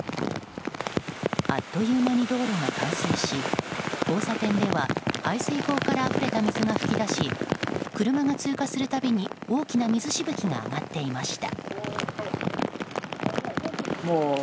あっという間に道路が冠水し交差点では、排水溝からあふれた水が噴き出し車が通過するたびに大きな水しぶきが上がっていました。